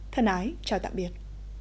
thân ái chào tạm biệt